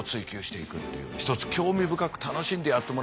ひとつ興味深く楽しんでやってもらえたら。